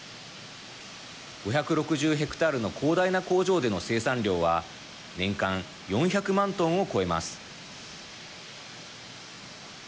５６０ヘクタールの広大な工場での生産量は年間４００万トンを超えます。